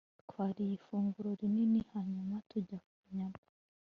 Twariye ifunguro rinini hanyuma tujya kuryama